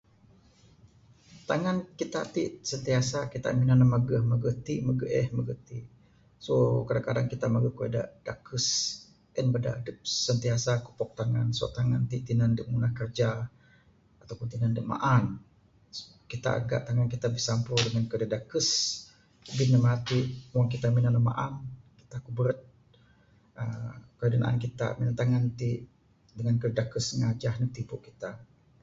Tangan kita ti sentiasa nan ne mageh mageh mageh ti mageh eh mageh ti so kadang kadang kita mageh kayuh da dakes en bada adep sentiasa kupok tangan ti tinan adep ngunah kerja atopun tinan adep maan ataupun tangan kita bisampur dangan kayuh da dakes bin ne matik kita minan ne maan kita kuberet aaa kayuh da naan kita minan tangan ti dangan kayuh dakes ngajah neg tibu kita.